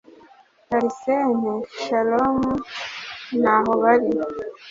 Arsène Shalom Ntahobali